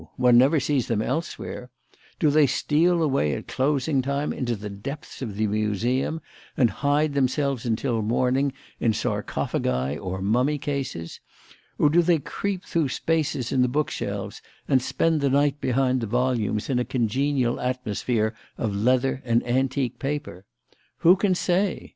One never sees them elsewhere. Do they steal away at closing time into the depths of the Museum and hide themselves until morning in sarcophagi or mummy cases? Or do they creep through spaces in the book shelves and spend the night behind the volumes in a congenial atmosphere of leather and antique paper? Who can say?